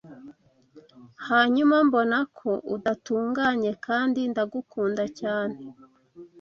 Hanyuma mbona ko udatunganye kandi ndagukunda cyane